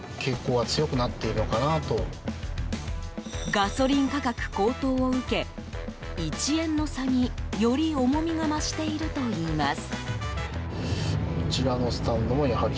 ガソリン価格高騰を受け１円の差に、より重みが増しているといいます。